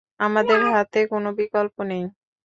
আমাদের হাতে কোনো বিকল্প নেই।